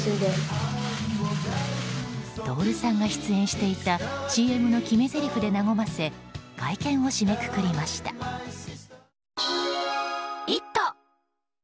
徹さんが出演していたＣＭの決めぜりふで和ませ会見を締めくくりました。